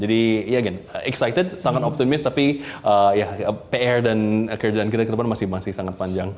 jadi ya again excited sangat optimis tapi pr dan kerjaan kita ke depan masih sangat panjang